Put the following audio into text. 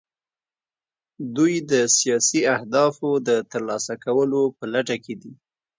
دوی د سیاسي اهدافو د ترلاسه کولو په لټه کې دي